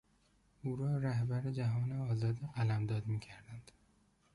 او را رهبر جهان آزاد قلمداد میکردند.